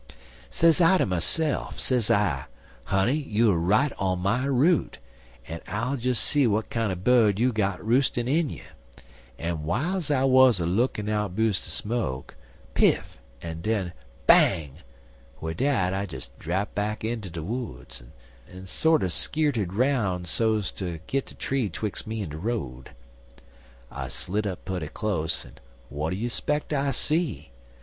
"Sez I ter myse'f, sez I: 'Honey, you er right on my route, en I'll des see w'at kinder bird you got roostin' in you,' en w'iles I wuz a lookin' out bus' de smoke piff! en den bang! Wid dat I des drapt back inter de woods, en sorter skeerted 'roun' so's ter git de tree 'twixt' me en de road. I slid up putty close, en wadder you speck I see?